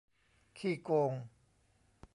ขี้โกง